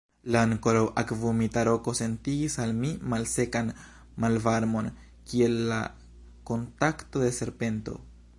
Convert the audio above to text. La ankoraŭ akvumita roko sentigis al mi malsekan malvarmon, kiel la kontakto de serpento.